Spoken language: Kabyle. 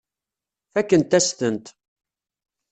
Fakkent-as-tent.